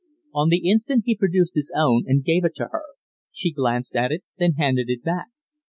On the instant he produced his own and gave it to her. She glanced at it, then handed it back.